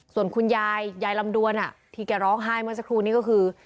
ส่วนคุณยายยายลำดวนที่แกร้องไห้เมื่อสักครู่นี้ก็คือ